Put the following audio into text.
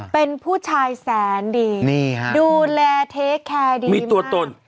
เป็นผู้ชายแสนดีดูแลที่ดูแลดีมาก